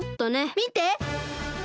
みて！